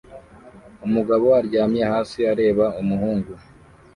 umugabo aryamye hasi areba umuhungu